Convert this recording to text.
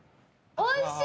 おいしい！